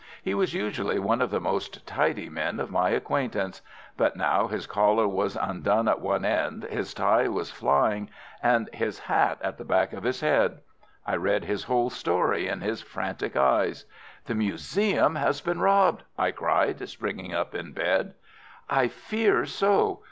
He was usually one of the most tidy men of my acquaintance, but now his collar was undone at one end, his tie was flying, and his hat at the back of his head. I read his whole story in his frantic eyes. "The museum has been robbed!" I cried, springing up in bed. "I fear so!